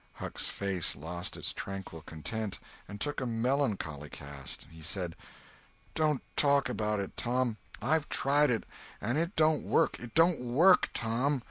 Huck's face lost its tranquil content, and took a melancholy cast. He said: "Don't talk about it, Tom. I've tried it, and it don't work; it don't work, Tom.